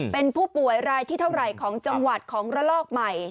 เป็นผู้ป่วยรายที่เท่าไหร่ของจังหวัดของระลอกใหม่